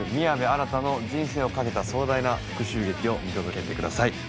新の人生をかけた壮大な復讐劇を見届けてください。